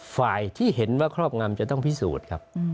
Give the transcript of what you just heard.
ฝ่ายที่เห็นว่าครอบงำจะต้องพิสูจน์ครับ